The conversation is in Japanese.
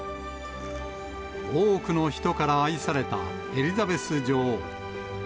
多くの人から愛されたエリザベス女王。